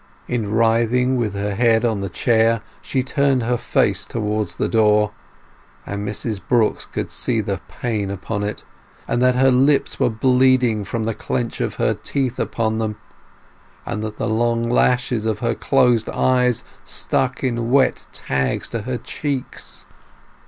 In writhing, with her head on the chair, she turned her face towards the door, and Mrs Brooks could see the pain upon it, and that her lips were bleeding from the clench of her teeth upon them, and that the long lashes of her closed eyes stuck in wet tags to her cheeks.